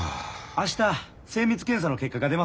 明日精密検査の結果が出ます。